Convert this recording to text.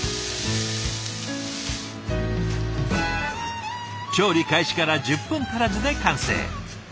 調理開始から１０分足らずで完成。